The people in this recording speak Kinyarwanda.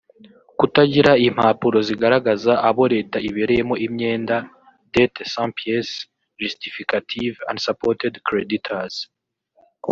Kutagira impapuro zigaragaza abo Leta ibereyemo imyenda (Dettes sans pièces justificatives/Unsupported creditors);